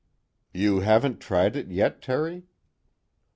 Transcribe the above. "You haven't tried it yet, Terry?"